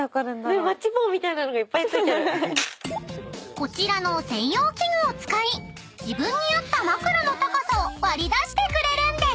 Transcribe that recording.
［こちらの専用器具を使い自分に合った枕の高さを割り出してくれるんです］